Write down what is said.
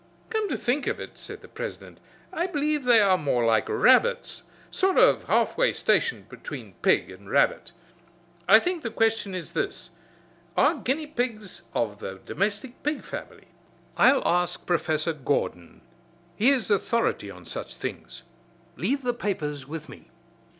"Come to think of it," said the president, "I believe they are more like rabbits. Sort of half way station between pig and rabbit. I think the question is this are guinea pigs of the domestic pig family? I'll ask professor Gordon. He is authority on such things. Leave the papers with me."